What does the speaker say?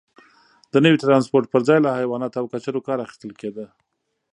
د نوي ټرانسپورت پرځای له حیواناتو او کچرو کار اخیستل کېده.